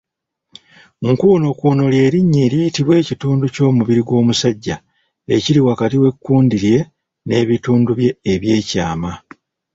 Nkuunokuuno ly'erinnya eriyitibwa ekitundu ky’omubiri gw’omusajja ekiri wakati w’ekkundi lye n’ebitundu bye eby’ekyama.